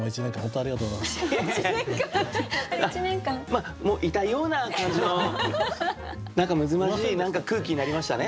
まあもういたような感じの仲むつまじい空気になりましたね。